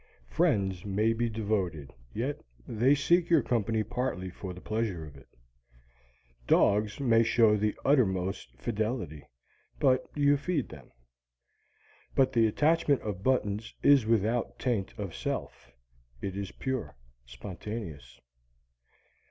Friends may be devoted; yet they seek your company partly for the pleasure of it. Dogs may show the uttermost fidelity; but you feed them. But the attachment of buttons is without taint of self: it is pure, spontaneous.